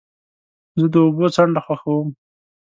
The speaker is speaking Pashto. زه د اوبو څنډه خوښوم.